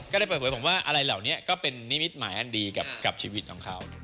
ได้เปิดเผยผมว่าอะไรเหล่านี้ก็เป็นนิมิตหมายอันดีกับชีวิตของเขา